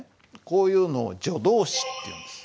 こういうのを助動詞っていうんです。